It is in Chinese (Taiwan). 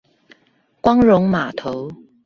光榮碼頭